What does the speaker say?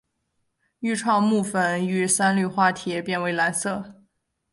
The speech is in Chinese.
愈创木酚遇三氯化铁变为蓝色。